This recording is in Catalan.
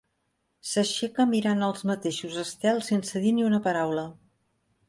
S'aixeca mirant els mateixos estels sense dir ni una paraula.